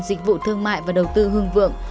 dịch vụ thương mại và đầu tư hương vượng